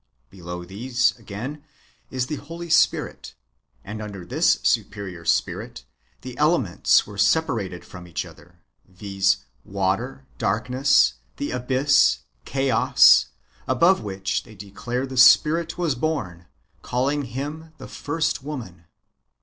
Below these, again, is the Holy Spirit, and under this superior spirit the elements were separated from each other, viz. water, darkness, the abyss, chaos, above which they declare the Spirit was borne, calling him the first woman.